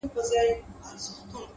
هره ناکامي د بل درس زېری راوړي